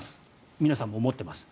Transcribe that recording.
皆さんもう持っています。